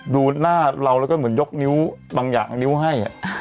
ดูหน้าเราแล้วก็เหมือนยกนิ้วบางอย่างนิ้วให้